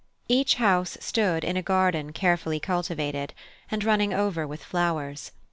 Each house stood in a garden carefully cultivated, and running over with flowers.